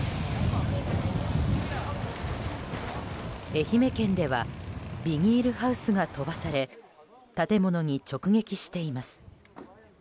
愛媛県ではビニールハウスが飛ばされ建物に直撃しています。